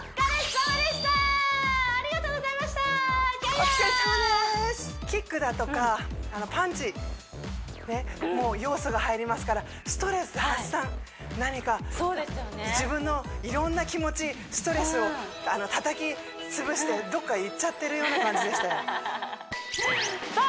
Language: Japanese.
お疲れさまでーすキックだとかパンチも要素が入りますから何か自分のいろんな気持ちストレスをたたきつぶしてどっかへ行っちゃってるような感じでしたよさあ